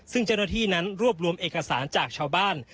ซึ่งเจ้าหน้าที่นั้นรวบรวมเอกสารจากชาวบ้าน